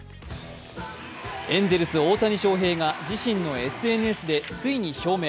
エンゼルス・大谷翔平が自身のＳＮＳでついに表明。